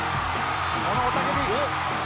この雄たけび！